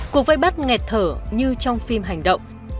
cuộc vây bắt nghẹt thở như trong phim hành động